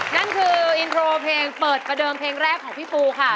นั่นคืออินโทรเพลงเปิดประเดิมเพลงแรกของพี่ปูค่ะ